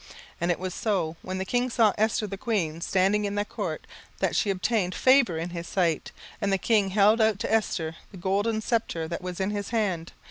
17:005:002 And it was so, when the king saw Esther the queen standing in the court, that she obtained favour in his sight: and the king held out to Esther the golden sceptre that was in his hand.